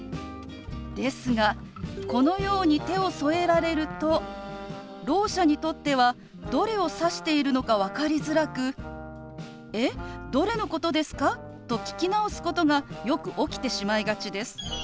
ですがこのように手を添えられるとろう者にとってはどれを指しているのか分かりづらく「えっ？どれのことですか？」と聞き直すことがよく起きてしまいがちです。